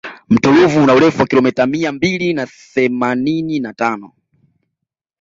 mto ruvu una urefu wa kilomita mia mbili na themanini na tano